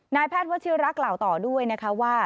นายแพทย์วัชิรักษ์กล่าวต่อด้วยนะคะว่า